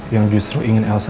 yang justru ingin elsa